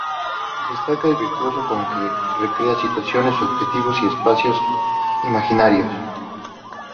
Destaca el virtuosismo con que recrea situaciones, objetos y espacios imaginarios.